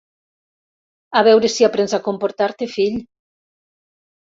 A veure si aprens a comportar-te, fill!